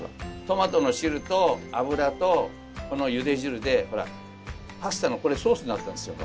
トマトの汁と油とこのゆで汁でほらパスタのソースになったんですよ。